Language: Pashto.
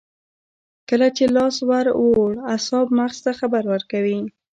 کله چې لاس ور وړو اعصاب مغز ته خبر ورکوي